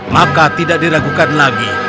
maka tidak diragukan lagi